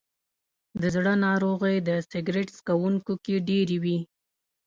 د زړه ناروغۍ د سګرټ څکونکو کې ډېرې وي.